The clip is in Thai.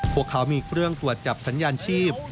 พวกเขามีเครื่องตรวจจับสัญญาณชีพ